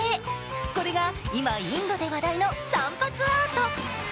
これが今、インドで話題の散髪アート。